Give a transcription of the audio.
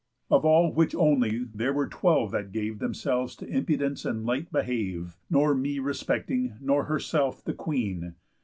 Of all which only there were twelve that gave Themselves to impudence and light behave, Nor me respecting, nor herself—the Queen.